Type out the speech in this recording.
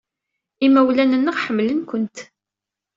Imawlan-nneɣ ḥemmlen-kent.